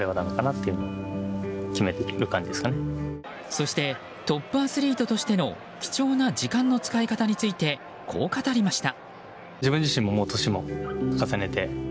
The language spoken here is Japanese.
そしてトップアスリートとしての貴重な時間の使い方についてこう語りました。